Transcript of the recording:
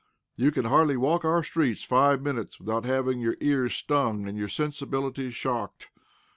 You can hardly walk our streets five minutes without having your ears stung and your sensibilities shocked.